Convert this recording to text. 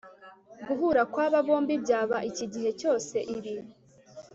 guhura kwaba bombi byaba iki gihe cyose. ibi